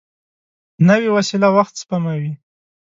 نوې وسېله وخت سپموي